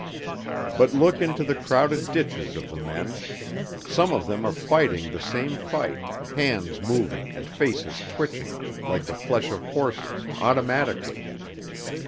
But look into the crowded ditches of the men. Some of them are fighting the same fight, hands moving and faces twitching, like the flesh of horses, automatically.